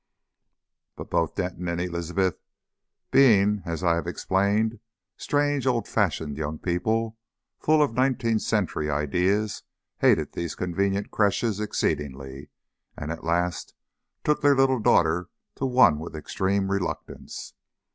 But both Denton and Elizabeth being, as I have explained, strange old fashioned young people, full of nineteenth century ideas, hated these convenient creches exceedingly and at last took their little daughter to one with extreme reluctance.